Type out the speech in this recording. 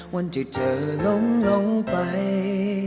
วันที่เธอลงไป